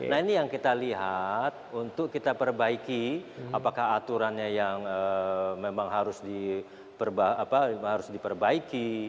nah ini yang kita lihat untuk kita perbaiki apakah aturannya yang memang harus diperbaiki